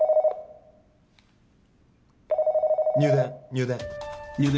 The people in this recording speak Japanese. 入電入電。